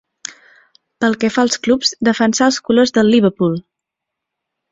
Pel que fa a clubs, defensà els colors del Liverpool.